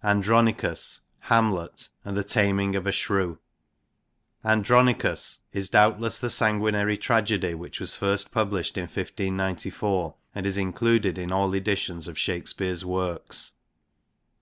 : Andronicous, Hamlet^ and The Tamynge of A Shro<wc. Andronicous is doubtless the sanguinary tragedy which was first published in 1594, and is included in all editions of Shakespeare's works.